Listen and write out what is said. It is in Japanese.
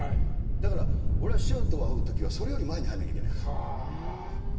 だから、俺は師匠と会う時はそれより前に入らなきゃいけない。